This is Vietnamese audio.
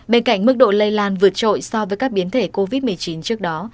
bên cạnh mức độ lây lan vượt trội so với các biến thể covid một mươi chín trước đó